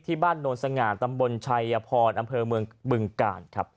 บ้านโนนสง่าตำบลชัยพรอำเภอเมืองบึงกาลครับ